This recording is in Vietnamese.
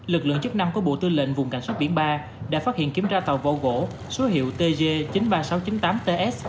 lực lượng chức năng của bộ tư lệnh vùng cảnh sát biển ba đã phát hiện kiểm tra tàu vỏ gỗ số hiệu tg chín mươi ba nghìn sáu trăm chín mươi tám ts